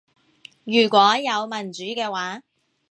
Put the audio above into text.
如果有民主嘅話